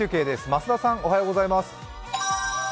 増田さん、おはようございます。